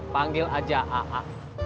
panggil aja a a